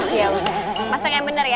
iya mas masak yang bener ya